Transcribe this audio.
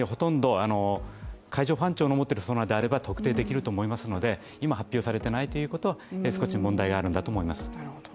海上保安庁の持っているソナーであれば特定できると思いますので今、発表されていないということは少し問題があるんだと思います。